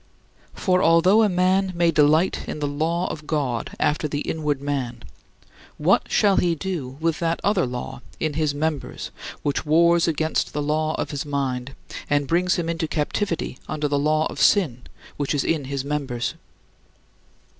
For although a man may "delight in the law of God after the inward man," what shall he do with that other "law in his members which wars against the law of his mind, and brings him into captivity under the law of sin, which is in his members"?